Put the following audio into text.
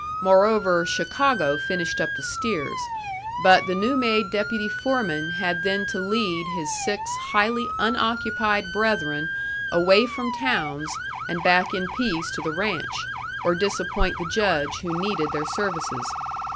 Moreover, Chicago finished up the steers; but the new made deputy foreman had then to lead his six highly unoccupied brethren away from towns, and back in peace to the ranch, or disappoint the Judge, who needed their services.